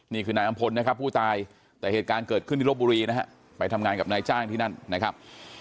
นี่คือนายอำพลนะครับผู้ตายแต่เหตุการณ์เกิดขึ้นที่ลบบุรีนะฮะไปทำงานกับนายจ้างที่นั่นนะครับ